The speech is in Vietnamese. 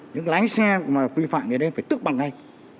những lái xe mà vi phạm như thế này phải tức bằng ngay